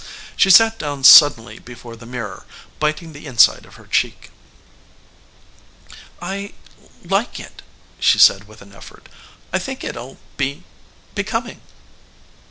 She sat down suddenly before the mirror, biting the inside of her cheek. "I like it," she said with an effort. "I think it'll be becoming."